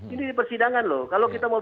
ini di persidangan loh kalau kita mau